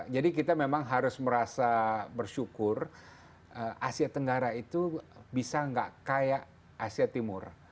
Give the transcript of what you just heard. jadi kita memang harus merasa bersyukur asia tenggara itu bisa nggak kayak asia timur